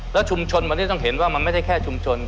แล้วชุมชนวันนี้ต้องเห็นว่ามันไม่ได้แค่ชุมชน